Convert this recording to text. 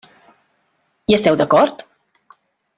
Hi esteu d'acord?